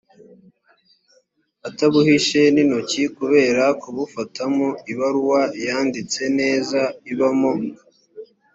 atabuhishe n intoki kubera kubufatamo ibaruwa yanditse neza ibamo